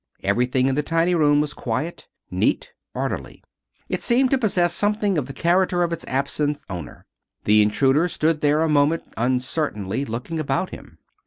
Everything in the tiny room was quiet, neat, orderly. It seemed to possess something of the character of its absent owner. The intruder stood there a moment, uncertainly, looking about him.